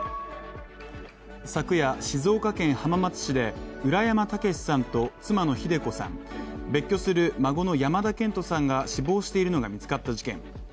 昨夜、静岡県浜松市で浦山毅さんと妻の秀子さん、別居する孫の山田健人さんが死亡しているのが見つかった事件。